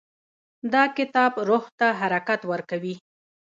دا کتاب روح ته حرکت ورکوي.